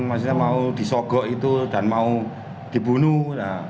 maksudnya mau disogok itu dan mau dibunuh